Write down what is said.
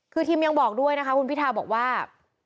คือทีมยังบอกด้วยนะคะคุณพิทาบอกว่า